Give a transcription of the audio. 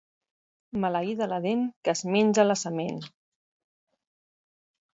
Maleïda la dent que es menja la sement.